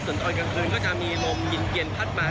ส่วนตอนกลางคืนก็จะมีลมเย็นพัดมา